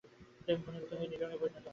প্রেম ঘনীভূত হইয়া নীলরঙে পরিণত হয়।